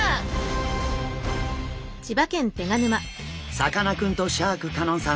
さかなクンとシャーク香音さん